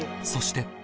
そして